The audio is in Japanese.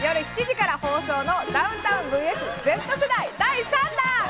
あした夜７時から放送の『ダウンタウンｖｓＺ世代』第３弾。